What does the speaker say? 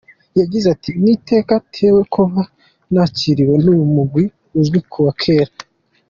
Yagize ati: "Ni iteka ntewe kuba nakiriwe n'uwu mugwi uzwi kuva kera.